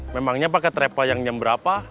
memangnya pake trepa yang nyamberapa